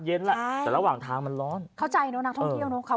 แต่ระหว่างทางมันร้อนเข้าใจเนอะนักท่องเที่ยวเนอะเขา